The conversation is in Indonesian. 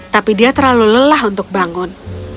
tapi dia terlalu lelah untuk bangun